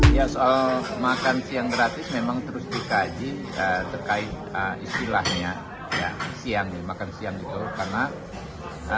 ya soal makan siang gratis memang terus dikaji terkait istilahnya siang makan siang itu karena